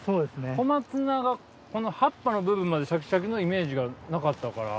小松菜がこの葉っぱの部分までシャキシャキのイメージがなかったから。